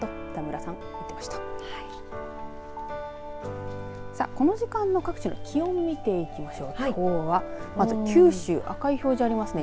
さあ、この時間の各地の気温を見ていきましょう。